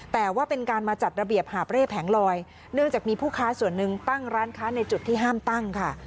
แต่ว่าเป็นการมาจัดระเบียบหาบเร่แผงลอยเนื่องจากมีผู้ค้าส่วนหนึ่งตั้งร้านค้าในจุดที่ห้ามตั้งค่ะ